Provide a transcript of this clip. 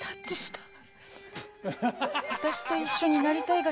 私と一緒になりたいがために？